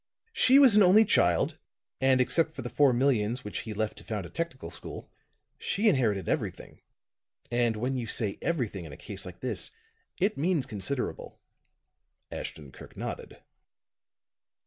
She was an only child, and except for the four millions which he left to found a technical school, she inherited everything. And when you say everything in a case like this, it means considerable." Ashton Kirk nodded.